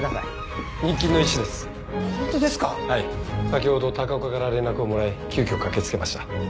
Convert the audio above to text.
先ほど高岡から連絡をもらい急きょ駆け付けました。